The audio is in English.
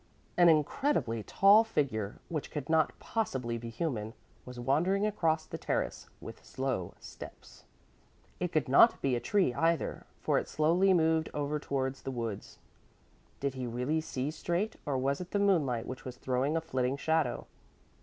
An incredibly tall figure, which could not possibly be human, was wandering across the terrace with slow steps. It could not be a tree either, for it slowly moved over towards the woods. Did he really see straight, or was it the moonlight which was throwing a flitting shadow.